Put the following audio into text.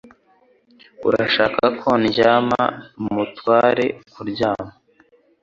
Urashaka ko ndyama Mutwale kuryama?